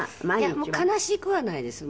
いやもう悲しくはないです。